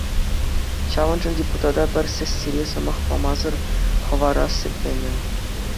Ҫавӑншӑн депутата пӗр сессире сӑмах памасӑр хӑварас тенӗ.